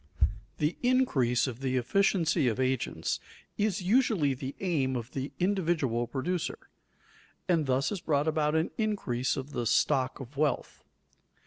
The increase of the efficiency of agents is usually the aim of the individual producer, and thus is brought about an increase of the stock of wealth.